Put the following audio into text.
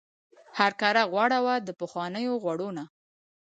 هرکاره غوړه وه د پخوانیو غوړو نه.